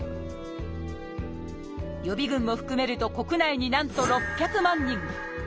予備群も含めると国内になんと６００万人。